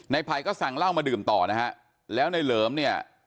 ไข่ไบก็สั่งเรามดื่มต่อนะครับแล้วในเหลิมเนี่ย